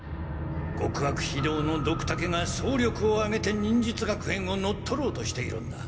極悪非道のドクタケが総力をあげて忍術学園を乗っ取ろうとしているんだ。